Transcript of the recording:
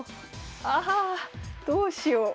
あどうしよう。